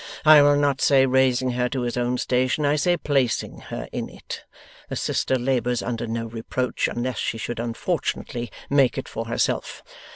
I will not say, raising her to his own station; I say, placing her in it. The sister labours under no reproach, unless she should unfortunately make it for herself.